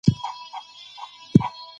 عسکر په ډېرې حیرانتیا خبرې اورېدلې.